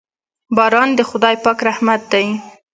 باران د خداے پاک رحمت دے